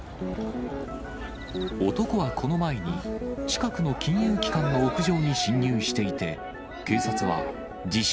男はこの前に、近くの金融機関の屋上に侵入していて、警察は自称